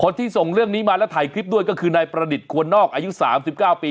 ที่ส่งเรื่องนี้มาแล้วถ่ายคลิปด้วยก็คือนายประดิษฐ์ควรนอกอายุ๓๙ปี